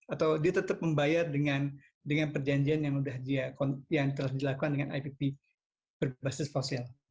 atau dia tetap membayar dengan perjanjian yang telah dilakukan dengan ipp berbasis fosil